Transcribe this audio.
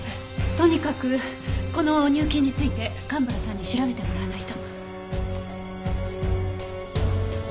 とにかくこの入金について蒲原さんに調べてもらわないと。